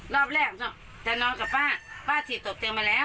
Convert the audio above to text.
รอบแรกเนอะแต่นอนกับป้าป้าถี่ตกเต็มมาแล้ว